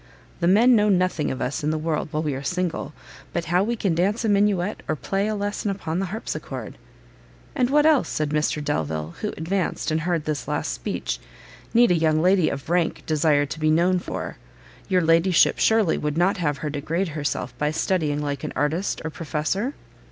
The men know nothing of us in the world while we are single, but how we can dance a minuet, or play a lesson upon the harpsichord." "And what else," said Mr Delvile, who advanced, and heard this last speech, "need a young lady of rank desire to be known for? your ladyship surely would not have her degrade herself by studying like an artist or professor?"